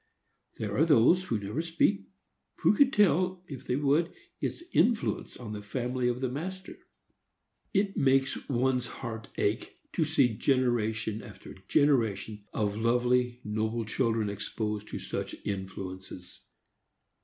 There are those, who never speak, who could tell, if they would, its influence on the family of the master. It makes one's heart ache to see generation after generation of lovely, noble children exposed to such influences.